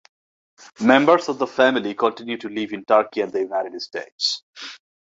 Members of the family continue to live in Turkey and the United States.